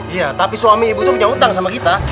iya tapi suami ibu itu punya utang sama kita